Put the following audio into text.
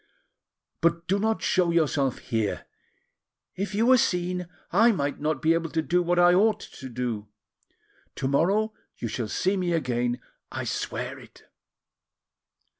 But do not show yourself here; if you were seen, I might not be able to do what I ought to do. To morrow you shall see me again, I swear it.